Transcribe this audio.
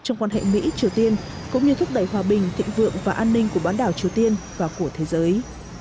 trong quan hệ mỹ triều tiên cũng như thúc đẩy hòa bình thịnh vượng và an ninh của bán đảo triều tiên và của thế giới